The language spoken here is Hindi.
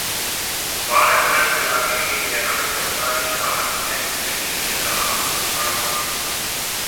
बाढ़ग्रस्त इलाके के बेहाल सरकारी राहत कैंप, नहीं मिल रहा खाना